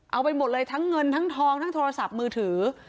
เอาไปหมดเลยทั้งเงินทั้งทองทั้งโทรศัพท์มือถือ